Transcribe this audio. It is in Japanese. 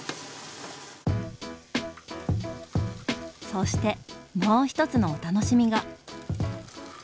そしてもう１つのお楽しみが。